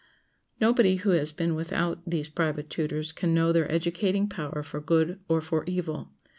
Nobody who has been without these private tutors can know their educating power for good or for evil.